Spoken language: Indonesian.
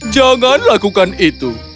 jangan lakukan itu